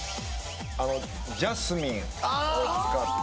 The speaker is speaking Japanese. あっジャスミン